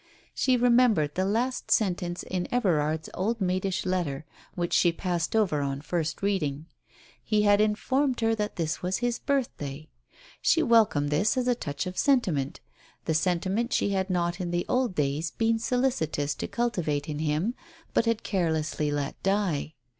She remem bered the last sentence in Everard's old maidish letter, which she passed over on first reading. He had in formed her that this was his birthday. She welcomed this as a touch of sentiment — the sentiment she had not in the old days been solicitous to cultivate in him, but had carelessly let die.